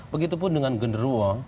begitu pun dengan gundurowo